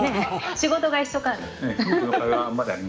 仕事が一緒だから。